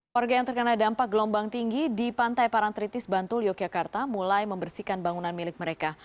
warga yang terkena dampak gelombang tinggi di pantai parangtritis bantul yogyakarta mulai membersihkan bangunan milik mereka